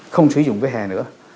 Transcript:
không sử dụng vẻ hẻ nữa